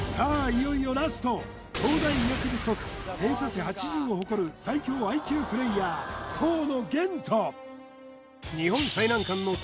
いよいよラスト東大医学部卒偏差値８０を誇る最強ＩＱプレイヤー河野玄斗